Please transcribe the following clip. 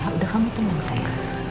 udah kamu tenang sayang